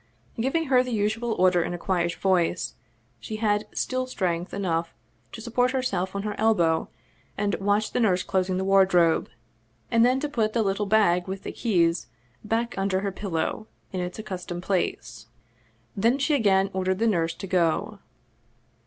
Giving her the usual order in a quiet voice, she had still strength enough to support herself on her elbow and watch the nurse closing the wardrobe, and then to put the little bag with the keys back under her pillow, in its accustomed place. Then she again ordered the nurse to go.